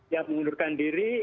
ya mengundurkan diri